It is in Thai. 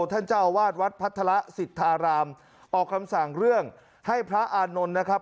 ท่านเจ้าอาวาสวัดพัฒระสิทธารามออกคำสั่งเรื่องให้พระอานนท์นะครับ